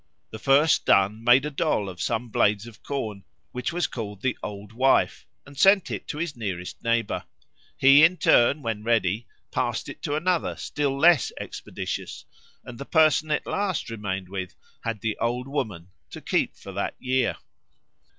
... The first done made a doll of some blades of corn, which was called the 'old wife,' and sent it to his nearest neighbour. He in turn, when ready, passed it to another still less expeditious, and the person it last remained with had 'the old woman' to keep for that year."